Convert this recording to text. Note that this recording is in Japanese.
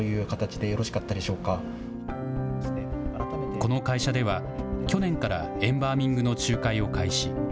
この会社では、去年からエンバーミングの仲介を開始。